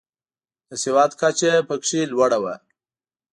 د سواد کچه پکې لوړه وه.